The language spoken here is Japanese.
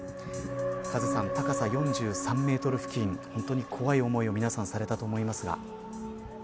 カズさん、高さ４３メートル付近本当に怖い思いを皆さんされたと思いますが。